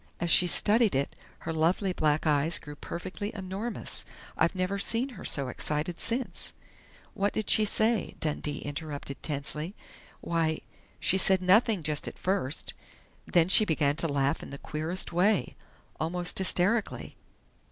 As she studied it, her lovely black eyes grew perfectly enormous. I've never seen her so excited since " "What did she say?" Dundee interrupted tensely. "Why, she said nothing just at first, then she began to laugh in the queerest way almost hysterically.